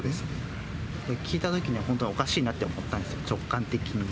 そうです、聞いたときには本当におかしいなって思ったんですよ、直感的に。